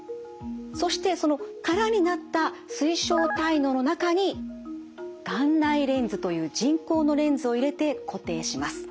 そしてその空になった水晶体嚢の中に眼内レンズという人工のレンズを入れて固定します。